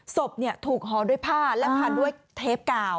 ศพถูกห่อด้วยผ้าและพันด้วยเทปกาว